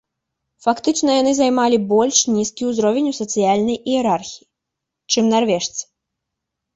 Фактычна яны займалі больш нізкі ўзровень ў сацыяльнай іерархіі, чым нарвежцы.